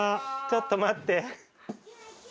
ちょっと待って。